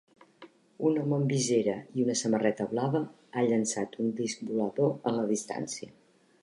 Un home amb visera i una samarreta blava ha llançat un disc volador en la distància.